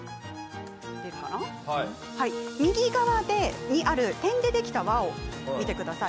右側にある点でできた輪を見てください。